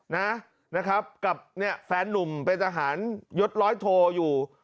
นะครับกับเนี่ยแฟนนุ่มเป็นทหารยศร้อยโทอยู่